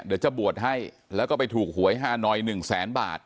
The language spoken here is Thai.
เดี๋ยวจะบวชให้แล้วก็ไปถูกหวยฮานอย๑แสนบาท